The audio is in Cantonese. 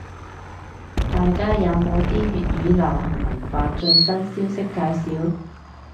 大家有冇啲粵語流行文化最新消息介紹？